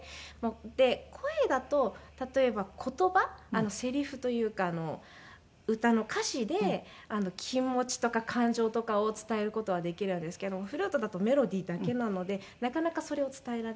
で声だと例えば言葉セリフというか歌の歌詞で気持ちとか感情とかを伝える事はできるんですけどフルートだとメロディーだけなのでなかなかそれを伝えられない。